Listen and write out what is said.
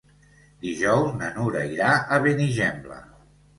Dijous na Nura irà a Benigembla.